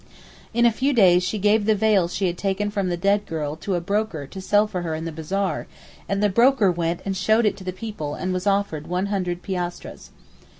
'In a few days she gave the veil she had taken from the dead girl to a broker to sell for her in the bazaar, and the broker went and showed it to the people and was offered one hundred piastres.